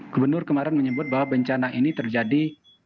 gubernur kemarin menyebut bahwa bencana ini terjadi